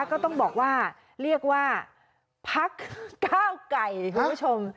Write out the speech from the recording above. ก็ต้องบอกว่าเรียกว่าพักก้าวไก่คุณผู้ชม